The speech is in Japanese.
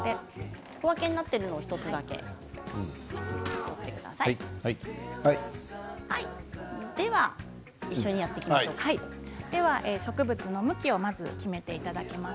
小分けになっているものを少しだけ植物の向きを決めていただきます。